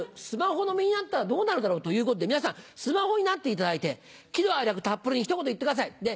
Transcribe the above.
スマホの身になったらどうなるだろうということで皆さんスマホになっていただいて喜怒哀楽たっぷりにひと言言ってください。